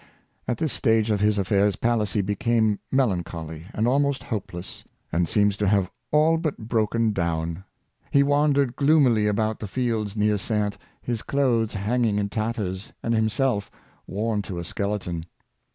At this stage of his affairs Palissy became melan choly and almost hopeless, and seems to have all but broken down. Pie wandered gloomily about the fields near Saintes, his clothes hanging in tatters, and himself worn to a skeleton.